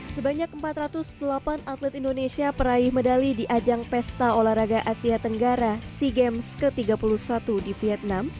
sebanyak empat ratus delapan atlet indonesia peraih medali di ajang pesta olahraga asia tenggara sea games ke tiga puluh satu di vietnam